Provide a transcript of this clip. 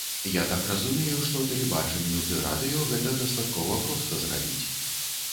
Я так разумею, што тэлебачанню ды радыё гэта дастаткова проста зрабіць.